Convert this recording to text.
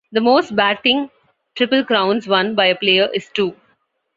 The most batting Triple Crowns won by a player is two.